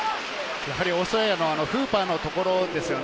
オーストラリアのフーパーのところですね。